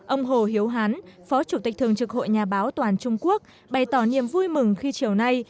ông hồ hiếu hán phó chủ tịch thường trực hội nhà báo toàn trung quốc bày tỏ niềm vui mừng khi chiều nay